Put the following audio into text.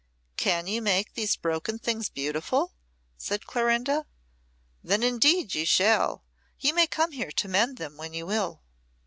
"Can you make these broken things beautiful?" said Clorinda. "Then indeed you shall. You may come here to mend them when you will."